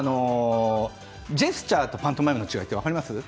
ジェスチャーとパントマイムの違いは分かりますか？